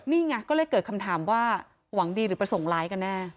นี่ไงก็เลยเกิดคำถามว่าหวังดีหรือประสงค์ร้ายกันแน่